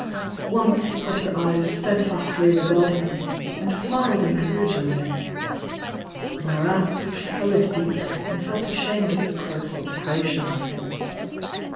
Once he caught her eyes steadfastly regarding him, and smiled encouragingly. Whereat she coloured deeply and felt ashamed of her close observation of him.